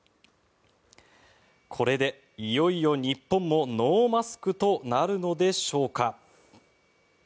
これでいよいよ日本もノーマスクとなるのでしょうか。